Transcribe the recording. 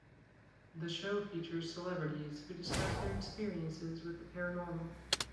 The show features celebrities who discuss their experiences with the paranormal.